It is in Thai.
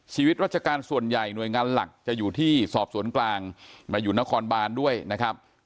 ชีวิตรัชการส่วนใหญ่หน่วยงานหลักจะอยู่ที่สอบสวนกลางมาอยู่นครบานด้วยนะครับ